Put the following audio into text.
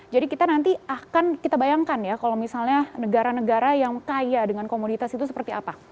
jadi kita nanti akan kita bayangkan ya kalau misalnya negara negara yang kaya dengan komoditas itu seperti apa